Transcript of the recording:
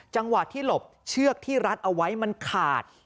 จังหวะที่หลบเชือกที่รัดเอาไว้มันขาด